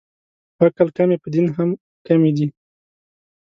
په عقل کمې، په دین هم کمې دي